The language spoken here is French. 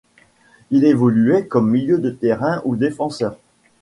Il évoluait comme milieu de terrain ou défenseur.